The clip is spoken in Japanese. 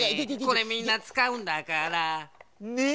これみんなつかうんだから。ね？